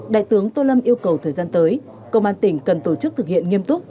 đại tướng tô lâm yêu cầu thời gian tới công an tỉnh cần tổ chức thực hiện nghiêm túc